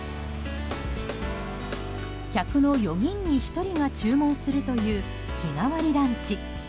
客の４人に１人が注文するという日替わりランチ。